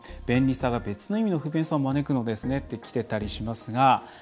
「便利さは別の意味の不便さも招くのですね」ときてたりしますが。